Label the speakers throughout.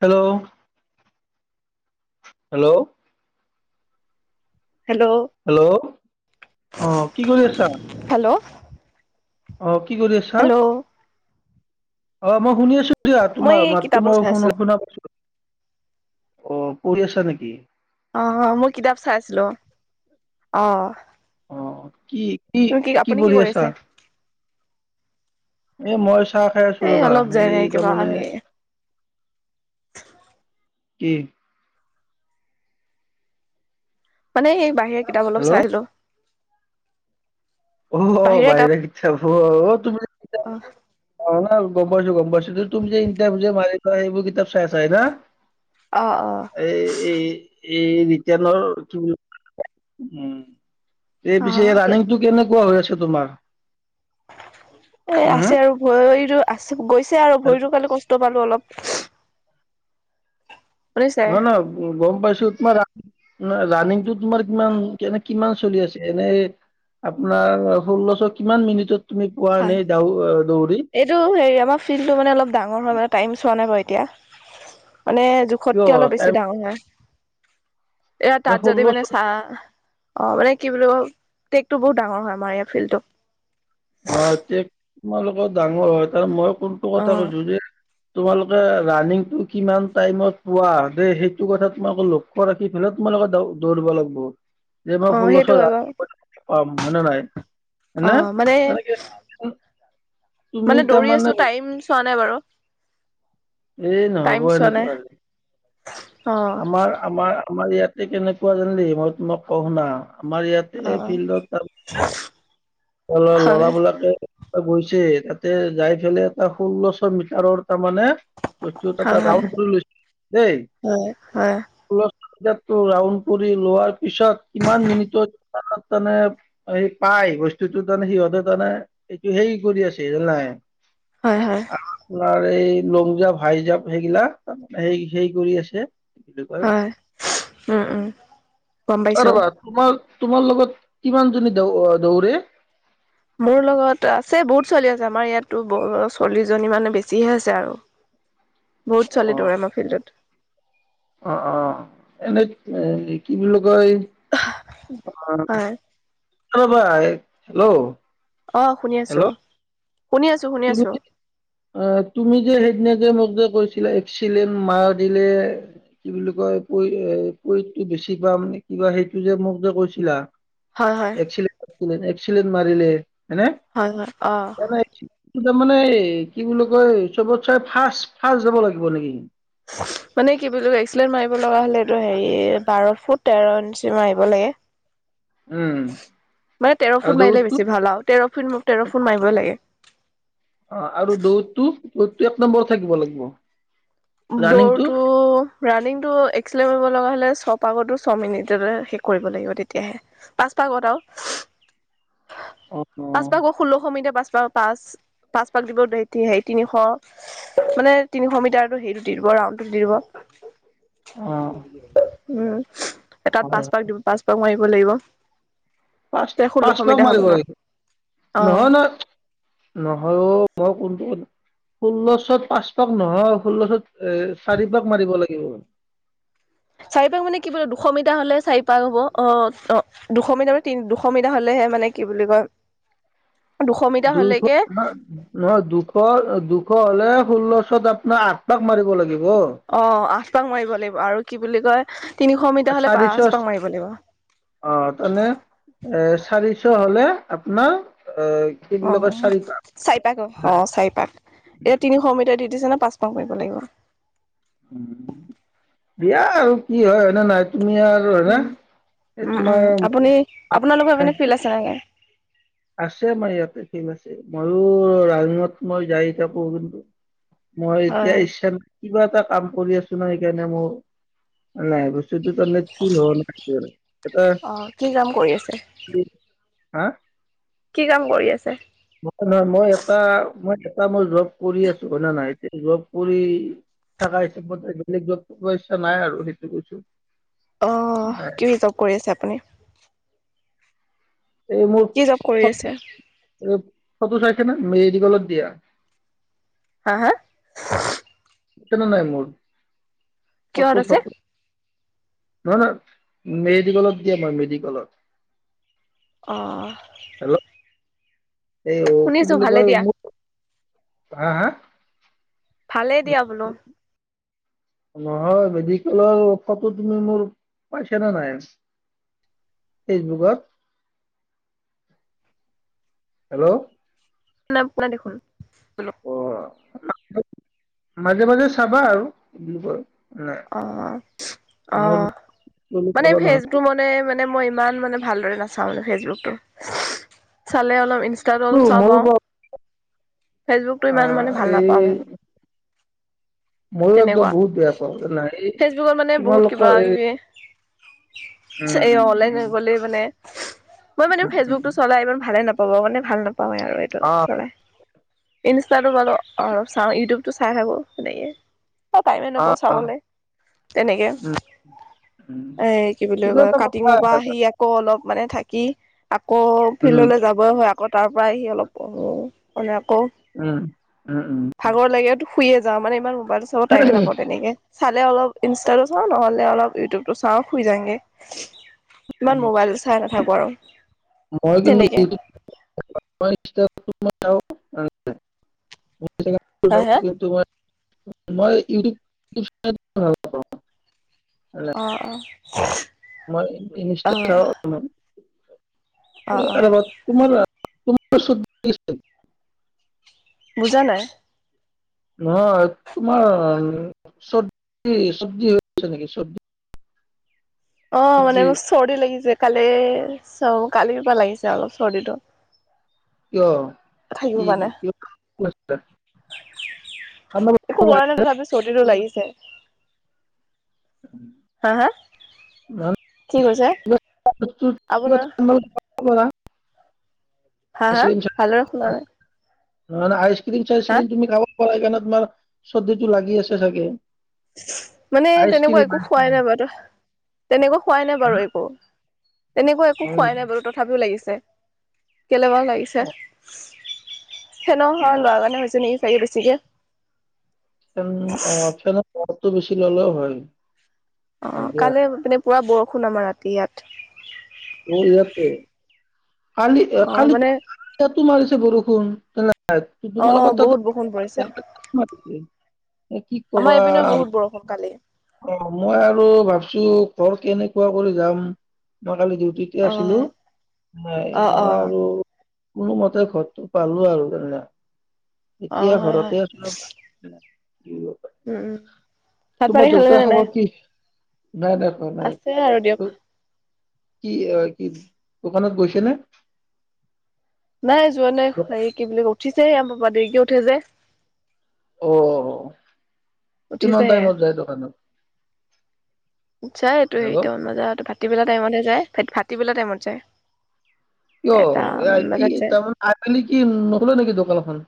Speaker 1: Hello, hello,
Speaker 2: hello
Speaker 1: hello, অ, কি কৰি আছা।
Speaker 2: হেল্ল'
Speaker 1: অ, কি কৰি আছা? অ, মই শুনি আছো।
Speaker 2: মই
Speaker 1: তোমাৰ
Speaker 2: কিতাপ
Speaker 1: মাততো মই
Speaker 2: চাই
Speaker 1: শ
Speaker 2: আছিলো
Speaker 1: শুনা পইছো অ, কৰি আছা নেকি?
Speaker 2: অ', মই কিতাপ চাইছিলো। অ'।
Speaker 1: অ কি- কি-
Speaker 2: তুমি
Speaker 1: কি
Speaker 2: আপুনি
Speaker 1: পঢ়ি
Speaker 2: কৰি
Speaker 1: আছা
Speaker 2: আছে
Speaker 1: এ মই চাহ খাই আছো
Speaker 2: এই
Speaker 1: ৰবা
Speaker 2: অলপ যে
Speaker 1: এই
Speaker 2: কিবা
Speaker 1: তাৰমানে কি?
Speaker 2: মানে এই বাহিৰা কিতাপ অলপ চাই
Speaker 1: হেল্ল'
Speaker 2: আহিলো।
Speaker 1: অ' বাহিৰা কিতাপ, অ' তুমি
Speaker 2: অ
Speaker 1: অ, মানে গম পাইছো - গম পাইছো তুমি যে ই যে সেইবোৰ কিতাপ চাই আছা না?
Speaker 2: অ অ
Speaker 1: এই এই, এই ৰিটেনৰ কি বুলি উম, এই
Speaker 2: অ
Speaker 1: পিছে ৰানিংটো কেনেকুৱা হৈ আছে তোমাৰ?
Speaker 2: এ আছে
Speaker 1: হম
Speaker 2: আৰু ভৰিতো আছে গৈছে আৰু ভৰিতো কালি কষ্ট পালো অলপ [unintelligible] শুনিছে
Speaker 1: নহয় - নহয় গম পাইছো তোমাৰ ৰাণিংটো তোমাৰ কিমান কেনে কিমান চলি আছে এনে আপোনাৰ ষোল্লশ কিমান মিনিটত তুমি পোৱা
Speaker 2: হয়
Speaker 1: এনেই দৌ দৌৰি
Speaker 2: এইটো হে আমাৰ ফিলটো মানে ডাঙৰ হয় মানে টাইম চোৱা নাই বাৰু এতিয়া মানে
Speaker 1: কিয়
Speaker 2: জোখতকে অলপ বেছি
Speaker 1: টাইম
Speaker 2: ডাঙৰ হয়। এয়া তাত যদি
Speaker 1: ষোল্লশ
Speaker 2: মানে চাহ অ' মানে কি বোলো, টেকটো বহুত ডাঙৰ হয় আমাৰ ইয়াৰ ফিল্ডটো।
Speaker 1: অ, এতিয়া তোমালোকৰ ডাঙৰ হয় তাৰ মই কোনটো কথা
Speaker 2: অ
Speaker 1: কৈছো যে তোমালোকে ৰাণিংটো কিমান টাইমত পোৱা দে সেইটো কথা তোমাক লক্ষ্য ৰাখি পি তোমাৰ লগত দৌৰিব লাগব। যে মই
Speaker 2: অ
Speaker 1: ষোল্লশ
Speaker 2: সেইটো হয় বাৰু
Speaker 1: পাম হয়নে নাই
Speaker 2: অ
Speaker 1: হয়নে।
Speaker 2: মানে
Speaker 1: [unintelligible] তুমি
Speaker 2: মানে দৌৰি
Speaker 1: তাৰমানে
Speaker 2: আছো টাইম চোৱা নাই বাৰু
Speaker 1: এ
Speaker 2: টাইম
Speaker 1: নহব
Speaker 2: চোৱা নাই
Speaker 1: এনেকোৱা আৰু
Speaker 2: অ
Speaker 1: আমাৰ আমাৰ আমাৰ ইয়াতে কেনেকুৱা জানিলি মই তোমাক ক শুনা আমাৰ
Speaker 2: অ
Speaker 1: ইয়াতে ফিল্ডত তমান ল
Speaker 2: হয়
Speaker 1: ল'ৰাবিলাকে গৈছে তাতে যাই পেলাই এটা ষোল্লশ মিটাৰৰ তাৰমানে সেইটো
Speaker 2: হয়
Speaker 1: তাপা
Speaker 2: হয়
Speaker 1: ৰাউণ্ড কৰি লৈছে দেই
Speaker 2: হয় হয়
Speaker 1: তাত ৰাউণ্ড কৰি লোৱাৰ পিছত কিমান মিনিটত তানে এই পা নাই বস্তুটো তাৰমানে সিহঁতে তাৰমানে এইটো হেৰি কৰি আছে জানা নাই
Speaker 2: হয় হয়
Speaker 1: আপোনাৰ এই লং জাম্প হাই জাম্প সেইগিলা সেই হেই কৰি আছে কি বুলি কয়
Speaker 2: হয় উম উম গম
Speaker 1: অ
Speaker 2: পাইছো
Speaker 1: ৰবা তোমাৰ তোমাৰ লগত কিমান জনী দ দৌৰে
Speaker 2: মোৰ লগত আছে বহুত ছোৱালী আছে আমাৰ ইয়াতো চল্লিশ জনী মানে বেছিহে আছে আৰু
Speaker 1: [inaudible]
Speaker 2: বহুত
Speaker 1: অ
Speaker 2: ছোৱালী দৌৰে আমাৰ ফিল্ডত
Speaker 1: অ অ এনে এ কি বুলি কয়
Speaker 2: হয়
Speaker 1: হেল্ল ভাই হেল্ল'
Speaker 2: অ শুনি আছো শুনি আছো শুনি
Speaker 1: তুমি
Speaker 2: আছো
Speaker 1: অ তুমি যে সেইদিনা যে মোক কৈছিলে এক্সিলেন মাৰ দিলে কি বুলি কয় পৰি এ প‌ইন্টটো বেছি পাম নে কিবা সেইটো যে মোক যে কৈছিলা
Speaker 2: হয় হয়
Speaker 1: এক্সিলেন্ট এক্সিলেন্ট মাৰিলে হয় নে
Speaker 2: হয় হয় অ
Speaker 1: এনেই তই তাৰ মানে কি বুলি কয় চবত চাই ফাৰ্ষ্ট ফাৰ্ষ্ট যাব লাগিব নেকি
Speaker 2: মানে কি বুলি কয় এক্সিলেন্ট মাৰিব লগা হ'লে এইটো হেৰি বাৰ ফুট তেৰ ইঞ্চি মাৰিব লাগে
Speaker 1: [inaudible]
Speaker 2: মানে তেৰ
Speaker 1: আৰু
Speaker 2: ফুট মাৰিলে
Speaker 1: দৌৰটো
Speaker 2: বেছি ভাল আৰু তেৰ ফুট মোক তেৰ ফুট মাৰিবই লাগে
Speaker 1: অ আৰু দৌৰটো দৌৰটো এক নম্বৰৰত থাকিব লাগিব ৰানিংটো
Speaker 2: দৌৰটো ৰাণিং টো এক্সিলেন্ট মাৰিব লগা হ'লে ছ পাগতো ছয় মিনিটতে শেষ কৰিব লাগিব তেতিয়াহে পাঁচ পাগত আও
Speaker 1: অ অ
Speaker 2: পাঁচ পাক গ ষোল্লশ মিটাৰ পাঁচ পাক পাঁচ পাচ পাক দিব হে তিনিশ মানে তিনিশ মিটাৰ সেইটো দিব ৰাউণ্ড টোত দিব
Speaker 1: অ
Speaker 2: উম তাত
Speaker 1: হয় হয়।
Speaker 2: পাঁচপাক দিব পাঁচপাক মাৰিব লাগিব
Speaker 1: পাঁচ
Speaker 2: তে ষোল্লশ
Speaker 1: পাঁচ পাক
Speaker 2: মিটাৰ হ'ব
Speaker 1: মাৰিব
Speaker 2: ন। অ
Speaker 1: লাগিব নহয় নহয় নহয় অ মই কমতো ষোল্ল চত পাঁচ পাক নহয় ষোল্ল চত এ চাৰি পাক মাৰিব লাগে [unintelligible]
Speaker 2: চাৰি পাক মানে কি বুলি দুশ মিটাৰ হলে চাৰি পাক হ'ব অ অ দুশ মিটাৰ তি দুশ মিটাৰ হলে হ'লে হে মানে কি বুলি কয়
Speaker 1: [unintelligible]
Speaker 2: মিটাৰ
Speaker 1: দুশ
Speaker 2: হ'লেকে
Speaker 1: নহয় দুশ দুশ হলে ষোল্লশত আপোনাৰ আঠ পাক মাৰিব লাগিব
Speaker 2: অ আঠ পাক মাৰিব লাগিব আৰু কি বুলি কয় তিনিশ মিটাৰ হলে
Speaker 1: চাৰিশ
Speaker 2: পাঁচ পাক মাৰিব লাগিব
Speaker 1: অ তানে এ চাৰিশ হলে আপোনাৰ এ কি
Speaker 2: অ
Speaker 1: বুলি কয় চাৰি
Speaker 2: চাৰিপাক অ চাৰিপাক এতিয়া তিনিশ মিটাৰ দি দিছে নে পাঁচ পাক মাৰিব লাগিব
Speaker 1: উ দিয়া আৰু কি হয় হয়নে নহয় তুমি আৰু হ
Speaker 2: উম
Speaker 1: এই
Speaker 2: উম উম আপুনি আপোনালোকৰ
Speaker 1: তোমাৰ
Speaker 2: পিনে ফিল্ড আছে নেকি
Speaker 1: আছে আমাৰ ইয়াতে ঢেৰ আছে মযো ৰাজুহত মই যায় থাকো মই এতিয়া ইচ্ছা কিবা এটা কাম কৰি আছো ন সেইকাৰণে মোৰ- নাই বস্তুটো তেনে ফিল হোৱা নাই আৰু এটা
Speaker 2: হৈ আছে।
Speaker 1: কি- হা
Speaker 2: কি কাম কৰি আছে
Speaker 1: মই নহয় মই এটা মই এ মই জব কৰি আছো হয় না নাই এতিয়া জব কৰি থকা হিচাপ মই বেলেগ জ ইচ্ছা নাই আৰু সেইটো কৈছো
Speaker 2: অ
Speaker 1: নাই
Speaker 2: কি হিচাপ কৰি আছে আপুনি
Speaker 1: এই মোৰ
Speaker 2: কি জব কৰি
Speaker 1: ফ
Speaker 2: আছে
Speaker 1: ফটো চাইছে ন মেডিকলত দিয়া
Speaker 2: হা হা
Speaker 1: চনে নাই মোৰ
Speaker 2: কিহত
Speaker 1: অত
Speaker 2: আছে
Speaker 1: ফটো নহয় নহ মেডিকেলত দিয়ে মেডিকেলত
Speaker 2: অহ
Speaker 1: হেল্ল' এই অ কি বুলি কয়
Speaker 2: দিয়া
Speaker 1: মোৰ হা হা
Speaker 2: ভালেই দিয়া বোলো।
Speaker 1: নহয় মেডিকেলৰ ও ফটো তুমি মোৰ পাইছা নে নাই। ফেচবুকত হেল্ল'
Speaker 2: শু কোনা দেখোন বল
Speaker 1: অ মাজে মাজে চাবা আৰু নাই
Speaker 2: অ অ
Speaker 1: মোৰ
Speaker 2: মানে
Speaker 1: চাব নহয়
Speaker 2: ফেচবোৰ মানে মই ইমান মানে ভালদৰে নাচাও ফেচবুকটো চালে অলপ ইন ষ্টাটো
Speaker 1: উ,
Speaker 2: অলপ চাও
Speaker 1: ময়ো
Speaker 2: বাও
Speaker 1: বাৰু
Speaker 2: ফেচবুকটো
Speaker 1: অ
Speaker 2: ইমান মানে ভাল
Speaker 1: এই
Speaker 2: নাপাওঁ মই
Speaker 1: ময়ো একদম
Speaker 2: তেনেকুৱা।
Speaker 1: বহুত বেয়া পাওঁ নাই
Speaker 2: ফেচবুকত মানে বহুত কিবা
Speaker 1: তোমালোকৰ এই
Speaker 2: কিবি
Speaker 1: উম
Speaker 2: এই
Speaker 1: উম
Speaker 2: অলে
Speaker 1: উম
Speaker 2: গলেই মানে মই মানে
Speaker 1: উম উম
Speaker 2: ফেচবুকতটো চলাই ইমান ভালে নাপাও বাও মানে ভাল নাপাওৱে আৰু এইটো
Speaker 1: অ
Speaker 2: চলাই ইনষ্টাটো বাও অ চাও ইউটিউবটো চাই থাকো সেনেকে। অ টাইমে নাপাওঁ চাবলৈ তেনেকে
Speaker 1: উম উম
Speaker 2: এ কি বুলি
Speaker 1: সেইটো
Speaker 2: কয়
Speaker 1: এটা কথা
Speaker 2: কাটিঙৰ পৰা আহি আকৌ অলপ মানে থাকি আকৌ
Speaker 1: উম
Speaker 2: ফিল্ডলৈ যাবই হয় আকৌ তাৰ পৰা আহি অলপ মানে আকৌ
Speaker 1: উম উম উম
Speaker 2: ভাগৰ লাগেতো শুইয়ে যাও মানে ইমান মোবাইল চাব টাইমে নাপাওঁ তেনেকে চালে অলপ ইনষ্টাটো চাওঁ নহ'লে অলপ ইউটিউবটো চাওঁ শুই যাংগে ইমান মোবাইল চাই নাথাকো আৰু
Speaker 1: মই
Speaker 2: তেনেকে
Speaker 1: য য কি [unintelligible]
Speaker 2: হা হা
Speaker 1: মই ইউটিউবউ ভালা
Speaker 2: অঁ অঁ
Speaker 1: মই নিশ্চয় চ
Speaker 2: অ অ
Speaker 1: এব তোমাৰ তোমাৰ
Speaker 2: বুজা নাই।
Speaker 1: নহয় তোমাৰ চৰ্দি চৰ্দি হৈ আছে নেকি চৰ্দি
Speaker 2: অ মানে মোৰ চৰ্দি লাগিছে কালি কালি পৰা লাগিছে অলপ চৰ্দিটোত
Speaker 1: কিয় কি কি ক
Speaker 2: একো কৰা নাই তথাপি চৰ্ডি টো লাগিছে হা হা কি কৈছে আপোনাৰ
Speaker 1: [unintelligible]
Speaker 2: হা হা ভালেদৰে শুনা নাই।
Speaker 1: অনে আইচক্ৰীম চাইচ
Speaker 2: হা
Speaker 1: ক্ৰীম তুমি খাব পৰা কাৰণে তোমাৰ চৰ্দিটো লাগি আছে চাগে
Speaker 2: মানে তেনেকুৱা
Speaker 1: আইচক্ৰীম
Speaker 2: একো খোৱাই
Speaker 1: আইচক্ৰীম
Speaker 2: নাই বাৰু তেনেকুৱা খোৱাই নাই বাৰু একো। তেনেকুৱা একো
Speaker 1: হয়
Speaker 2: খোৱাই
Speaker 1: নেকি?
Speaker 2: নাই বাৰু তথাপিও লাগিছে। কেলে বা লাগিছে
Speaker 1: অ',
Speaker 2: সেনে অহা
Speaker 1: অ',
Speaker 2: লৰাজনে হৈছে নেকি চাইও বেছিকে
Speaker 1: ফন অ ফেন বটো বেছি ললেও হয়
Speaker 2: অ
Speaker 1: হয় দিয়া।
Speaker 2: কালি মানে পুৰা বৰষুণ আমাৰ ৰাতি ইয়াত
Speaker 1: অ ইয়াতে কালি
Speaker 2: অ মানে
Speaker 1: কালিতো মাৰিছে বৰষুণ হয় ত
Speaker 2: অ
Speaker 1: তোমালক
Speaker 2: বহুত বৰষুণ
Speaker 1: তাত
Speaker 2: পৰিছে
Speaker 1: [unintelligible] এ কি
Speaker 2: আমাৰ
Speaker 1: কবা
Speaker 2: এইপিনেও বহুত বৰষুণ কালি
Speaker 1: অ মই আৰু ভাবিছো তৰ কেনেকুৱা কৰি যাম ন কালি দি তেতিয়া
Speaker 2: অ
Speaker 1: আছিলো নাই
Speaker 2: অ অ
Speaker 1: মই আৰু কোনোমতে ঘৰটো পালো আৰু জাননা
Speaker 2: অ
Speaker 1: এতিয়া
Speaker 2: হয় হয়
Speaker 1: ঘৰতে আছো ৰবা
Speaker 2: উম উম ভাত
Speaker 1: তোমাৰ
Speaker 2: পানী খালে
Speaker 1: দেউতাৰ
Speaker 2: নে নাই
Speaker 1: খবৰ কি? নাই দেপা নাই
Speaker 2: আছে আৰু দিয়ক
Speaker 1: কি কি দোকানত গৈছে নে
Speaker 2: নাই যোৱা নাই হে
Speaker 1: দোকা-
Speaker 2: কি বুলি উঠিছে আম পাপা দেৰিকে উঠে যে
Speaker 1: অ কিমান
Speaker 2: উঠিছেহে
Speaker 1: টাইমত যায় দোকানত?
Speaker 2: যায় তো
Speaker 1: হেল্ল'
Speaker 2: হেৰিটন বজা ভাত ফাটিবেলা টাইমতহে যায় ফাটিবেলা টাইমত যায় এটা
Speaker 1: কিয়
Speaker 2: মান
Speaker 1: কি
Speaker 2: বজাত যায়
Speaker 1: তাৰমান আবেলি কি নোখোল নেকি দোকানখন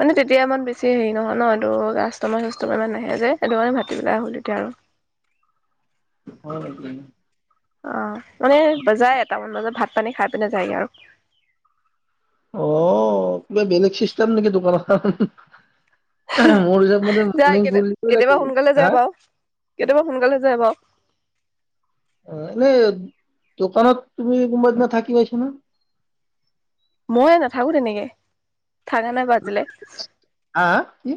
Speaker 2: মানে তেতিয়া ইমান বেছি হেৰি নহয় ন এইটো কাষ্টমাৰ চাষ্টমাৰ ইমান নাহে যে সেইটো কাৰণে ভাতি পেলাই আহো তেতিয়া আৰু
Speaker 1: [inaudible] হয় নেকি
Speaker 2: অ মানে যায় এটামান বাজত ভাত পানী খাই পিনে যায়গে আৰু
Speaker 1: আহ কিবা বেলেগ চিষ্টেম নেকি দোকানত মোৰ যাবলে
Speaker 2: যায়
Speaker 1: মান
Speaker 2: কেতি
Speaker 1: ভুলিব
Speaker 2: কেতিয়াবা
Speaker 1: লাগিব
Speaker 2: সোনকালে যায়
Speaker 1: হা
Speaker 2: বাৰু কেতিয়াবা সোনকালে যায় বাৰু
Speaker 1: অ এনে দোকানত তুমি কোনোবা এদিনা থাকি পাইছা না
Speaker 2: মই নাথাকো তেনেকে থানে নাই বাজিলে
Speaker 1: হা হা কি?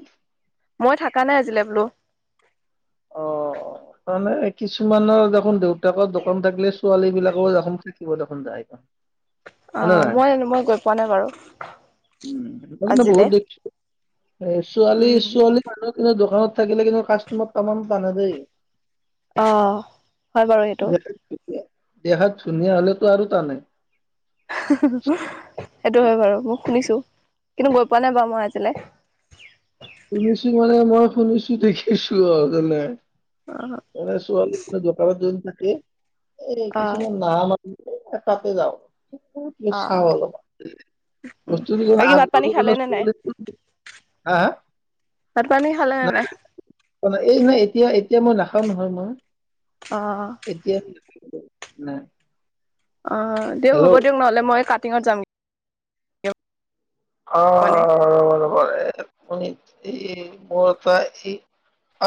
Speaker 2: মই থাকা নাই আজিলে বোলো
Speaker 1: অ তানে কিছুমানৰ দেখোন দেউতাকৰ দোকান থাকিলে ছোৱালী বিলাকো দেখে থাকিব দেখোন যায় অ
Speaker 2: অ মই মই গৈ পোৱা নাই বাৰু
Speaker 1: উম সেইল
Speaker 2: আজিলে
Speaker 1: বহুত দেখিছো ছোৱালী
Speaker 2: উম
Speaker 1: ছোৱালী মানুহ কিন্তু দোকানত থাকিলে কিন্তু কাষ্টমাৰ তামাম তানে দেই
Speaker 2: অ হয় বাৰু সেইটো
Speaker 1: দেখাত ধুনীয়া দেখাত ধুনীয়া হলেতো আৰু তানে
Speaker 2: সেইটো হয় বাৰু মই শুনিছো কিন্তু গৈ পোৱা নাই বাৰু মই আজিলে
Speaker 1: শুনিছো মানে মই শুনিছো দেখিছো আৰু জানে
Speaker 2: অ'
Speaker 1: ছোৱালীবোৰে দোকানত যদি থাকে এই
Speaker 2: অ'
Speaker 1: কিছুমান নাহা মানুহ তাতে যাও চাউ
Speaker 2: অ'
Speaker 1: অলবা
Speaker 2: উম,
Speaker 1: বস্তুটো
Speaker 2: বাকী
Speaker 1: আগ
Speaker 2: ভাত পানী খালে নে নাই
Speaker 1: হা [unintelligible]
Speaker 2: ভাত পানী খালে নে
Speaker 1: নাই এই মানে এতিয়া এতিয়া মই নাখাওঁ নহয় মই
Speaker 2: অ'
Speaker 1: এতিয়া নাই
Speaker 2: অ দিয়ক
Speaker 1: হেল্ল'
Speaker 2: হ'ব দিয়ক নহ'লে মই কাটিঙত যাম
Speaker 1: অ
Speaker 2: মানে
Speaker 1: ৰবা ৰবা এই [unintelligible]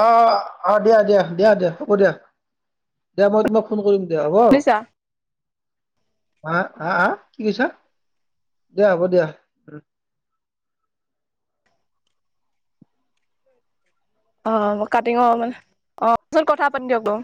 Speaker 1: অ' অ' দিয়া দিয়া। দিয়া দিয়া, হ'ব দিয়া। দিয়া মই তোমাক ফোন কৰিম। হ'ব?
Speaker 2: শুনিছা
Speaker 1: হা আহ আহ কি কৈছা? দিয়া, হ'ব দিয়া।
Speaker 2: অ কাটিঙৰ মানে অ পিচত কথা পাতিম দিয়ক